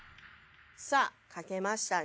さあ書けましたね。